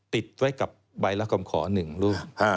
ติดไว้กับใบละคำขอ๑รูป